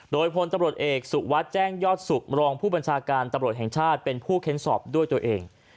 โดยพลตำรวจเอกสุวัสดิ์แจ้งยอดสุขมรองผู้บัญชาการตำรวจแห่งชาติเป็นผู้เค้นสอบด้วยตัวเอง